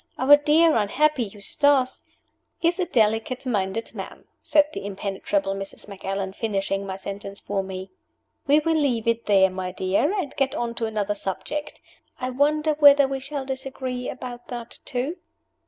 Our dear unhappy Eustace " "Is a delicate minded man," said the impenetrable Mrs. Macallan, finishing my sentence for me. "We will leave it there, my dear, and get on to another subject. I wonder whether we shall disagree about that too?"